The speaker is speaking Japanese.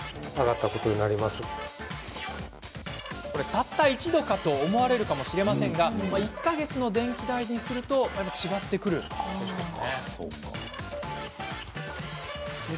たった１度かと思われるかもしれませんが１か月の電気代にすると違ってきますよね。